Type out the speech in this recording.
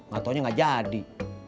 gak taunya gak jadi